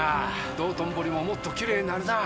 道頓堀ももっときれいになるなぁ。